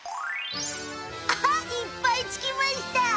アハッ！いっぱいつきました。